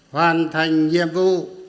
hoàn thành nhiệm vụ